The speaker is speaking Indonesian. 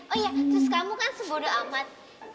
oh iya terus kamu kan sebodo amat